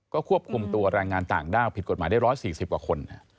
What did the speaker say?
ก็ควบคุมตัวแรงงานต่างด้าวผิดกฎหมายได้๑๔๐กว่าคน